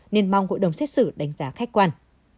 nên mong hội đồng xét xử đánh giá khách quan